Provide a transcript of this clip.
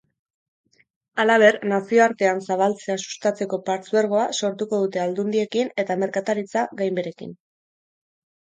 Halaber, nazioartean zabaltzea sustatzeko partzuergoa sortuko dute aldundiekin eta merkataritza-ganberekin.